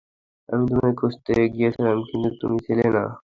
আমি তোমাকে খুঁজতে গিয়েছিলাম, কিন্তু তুমি ছিলে না।